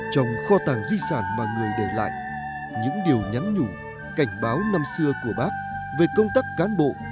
trong kho tàng di sản mà người để lại những điều nhắn nhủ cảnh báo năm xưa của bác về công tác cán bộ